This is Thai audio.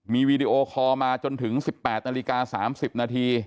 มีวีดีโอคอล์มาจนถึง๑๘น๓๐น